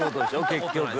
結局。